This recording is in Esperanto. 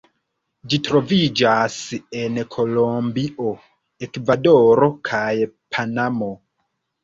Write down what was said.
Ĝi troviĝas en Kolombio, Ekvadoro kaj Panamo.